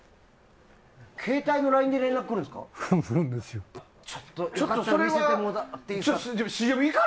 携帯のＬＩＮＥで連絡来るんですか？